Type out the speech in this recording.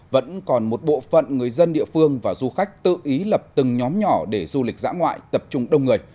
vẫn còn một bộ phận người dân địa phương và du khách tự ý lập từng nhóm nhỏ để du lịch dã ngoại tập trung đông người